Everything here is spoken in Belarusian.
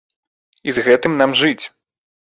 І з гэтым нам жыць.